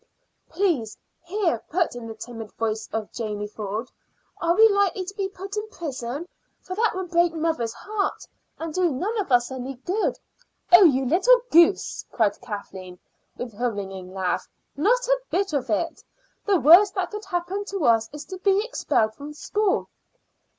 "Please," here put in the timid voice of Janey Ford, "are we likely to be put in prison? For that would break mother's heart, and do none of us any good." "Oh, you little goose!" cried Kathleen, with her ringing laugh. "Not a bit of it. The worst that could happen to us is to be expelled from the school."